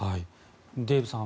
デーブさん